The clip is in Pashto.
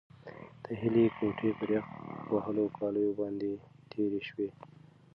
د هیلې ګوتې پر یخ وهلو کالیو باندې تېرې شوې.